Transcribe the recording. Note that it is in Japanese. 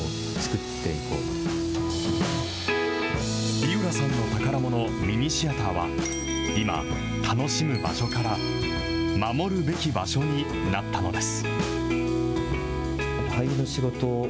井浦さんの宝もの、ミニシアターは、今、楽しむ場所から、守るべき場所になったのです。